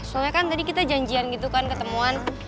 soalnya kan tadi kita janjian gitu kan ketemuan